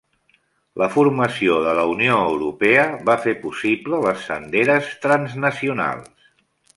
La formació de la Unió Europea va fer possible les senderes transnacionals.